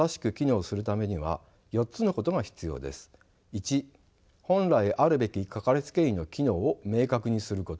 １本来あるべきかかりつけ医の機能を明確にすること。